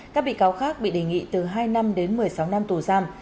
các bị cáo khác bị đề nghị từ hai năm đến một mươi sáu năm tù giam